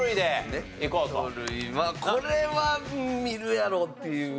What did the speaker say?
鳥類はこれは見るやろっていうやつ。